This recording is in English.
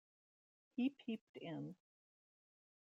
He peeped in.